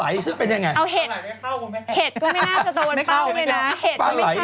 อ๋าเห็ดก็ไม่น่าตะวนเป้าเลยนะ